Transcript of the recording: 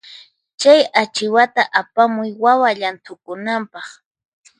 Chay achiwata apamuy wawa llanthukunanpaq.